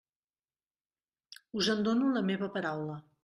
Us en dono la meva paraula.